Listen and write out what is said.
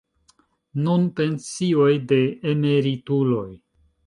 Nun pensioj de emerituloj.